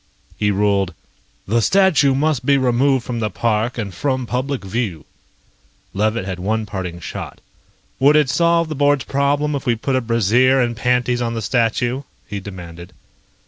He ruled: "The statue must be removed from the park and from public view." Levitt had one parting shot. "Would it solve the board's problem if we put a brassiere and panties on the statue?" he demanded.